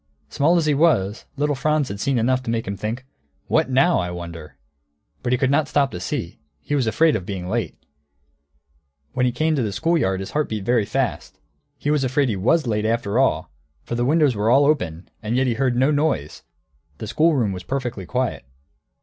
Small as he was, little Franz had seen enough to make him think, "What now, I wonder?" But he could not stop to see; he was afraid of being late. When he came to the school yard his heart beat very fast; he was afraid he was late, after all, for the windows were all open, and yet he heard no noise, the schoolroom was perfectly quiet.